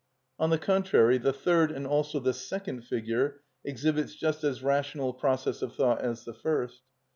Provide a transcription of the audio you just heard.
On the contrary, the third, and also the second, figure exhibits just as rational a process of thought as the first.